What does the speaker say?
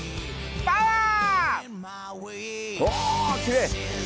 パワー！